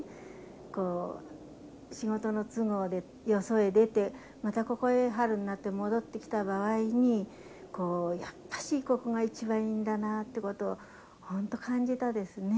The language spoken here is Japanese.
こう仕事の都合でよそへ出てまたここへ春になって戻ってきた場合にこうやっぱしここが一番いいんだなってことを本当感じたですね。